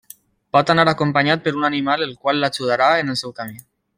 Pot anar acompanyat per un animal, el qual l'ajudarà en el seu camí.